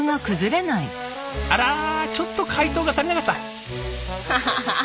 あらちょっと解凍が足りなかった。